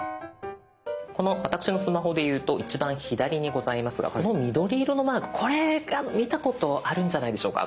この私のスマホでいうと一番左にございますがこの緑色のマークこれ見たことあるんじゃないでしょうか？